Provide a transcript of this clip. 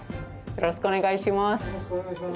よろしくお願いします